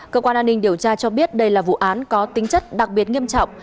cơ quan an ninh điều tra cho biết đây là vụ án có tính chất đặc biệt nghiêm trọng